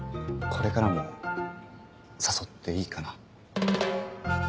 これからも誘っていいかな？